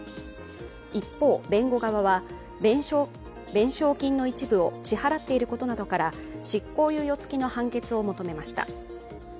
一方、弁護側は、弁償金の一部を支払っていることなどから執行猶予付きの判決を求めました。